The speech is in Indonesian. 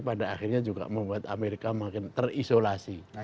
pada akhirnya juga membuat amerika makin terisolasi